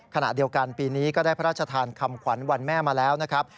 ขณะเดียวกันปีนี้ก็ได้พระราชทานคำขวัญวันแม่มาแล้วนะครับ